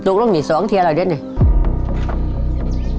จุกลงนี่๒เทียร์แล้วเดี๋ยวนี่